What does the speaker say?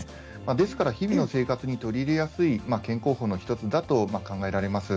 ですから日々の生活に取り入れやすい健康法の１つだと考えられます。